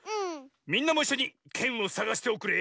みんなもいっしょにけんをさがしておくれ。